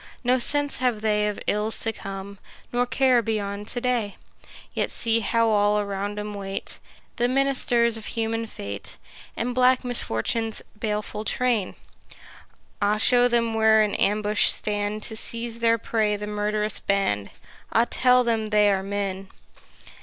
No sense have they of ills to come, Nor care beyond to day: Yet see how all around 'em wait The ministers of human fate, And black Misfortune's baleful train! Ah, show them where in ambush stand To seize their prey the murth'rous band! Ah, tell them they are men!